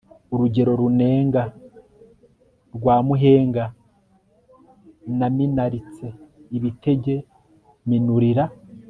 urugero runega rwa muhenga naminaritse ibitege minurira